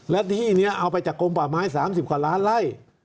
และที่นี้เอาไปจากกลมป่าไม้๓๐กว่าล้านไล่